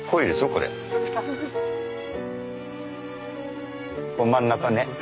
これ真ん中ね。